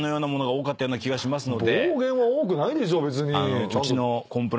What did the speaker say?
暴言は多くないでしょ別に。